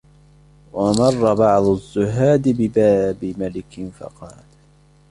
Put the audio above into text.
وَمَرَّ بَعْضُ الزُّهَّادِ بِبَابِ مَلِكٍ فَقَالَ